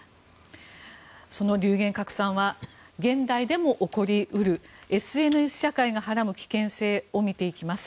その流言拡散は現代でも起こり得るＳＮＳ社会がはらむ危険性を見ていきます。